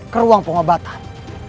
ke ruang pengobatan